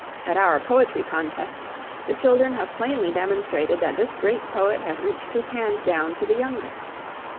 At our "poetry contests" the children have plainly demonstrated that this great poet has reached his hand down to the youngest.